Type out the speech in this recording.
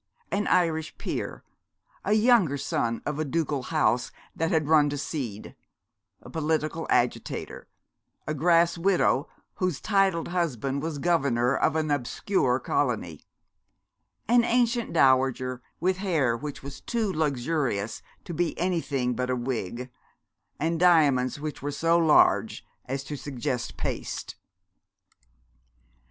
An Irish peer, a younger son of a ducal house that had run to seed, a political agitator, a grass widow whose titled husband was governor of an obscure colony, an ancient dowager with hair which was too luxuriant to be anything but a wig, and diamonds which were so large as to suggest paste.